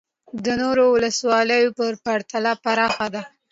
د نورو ولسوالیو په پرتله پراخه ده